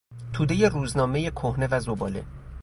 تودهی روزنامهی کهنه و زباله